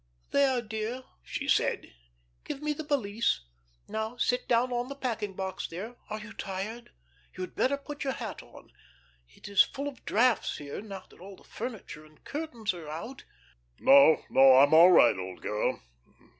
"There, dear," she said. "Give me the valise. Now sit down on the packing box there. Are you tired? You had better put your hat on. It is full of draughts here, now that all the furniture and curtains are out." "No, no. I'm all right, old girl.